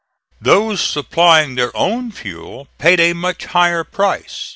Those supplying their own fuel paid a much higher price.